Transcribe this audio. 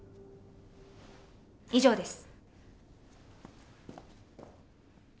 以上です。